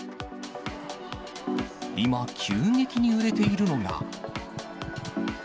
今、急激に売れているのが。